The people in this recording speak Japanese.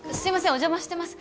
お邪魔してます